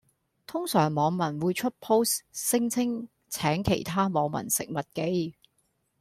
通常網民會出 Post 聲稱請其他網民食麥記